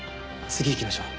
次行きましょう。